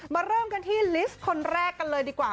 เริ่มกันที่ลิสต์คนแรกกันเลยดีกว่า